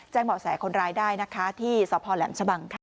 เหมาะแสคนร้ายได้นะคะที่สพแหลมชะบังค่ะ